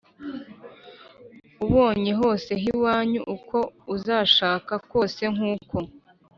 ubonye hose h iwanyu uko uzashaka kose nk uko